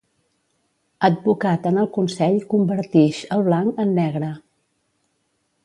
Advocat en el consell convertix el blanc en negre.